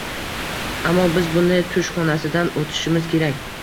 Ammo biz bunday tush xonasidan o'tishimiz kerak